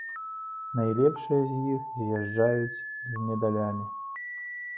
Найлепшыя з іх з'язджаюць з медалямі.